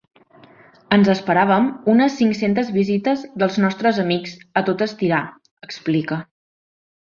Ens esperàvem unes cinc-centes visites dels nostres amics, a tot estirar, explica.